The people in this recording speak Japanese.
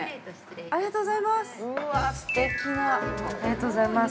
ありがとうございます。